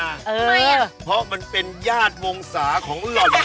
เพราะมันเป็นญาติวงศาของเราใช่มั้ย